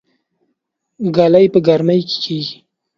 ګلۍ په ګرمۍ کې کيږي